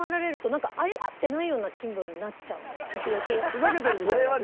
ふざけてるみたいな感じ？